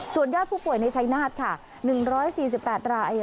ส่วนยอดผู้ป่วยในชายนาฏค่ะ๑๔๘ราย